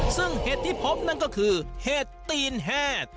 ซึ่งเหตุที่พบนั่นก็คือเสร็จตีนแห้ด